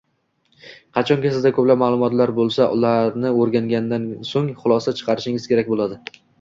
Ertasi kuni qo`ng`iroq qildi